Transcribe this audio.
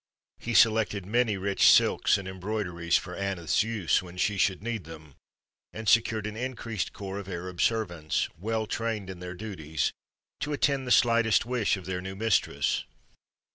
He selected many rich silks and embroideries for Aneth's use when she should need them, and secured an increased corps of Arab servants, well trained in their duties, to attend the slightest wish of their new mistress.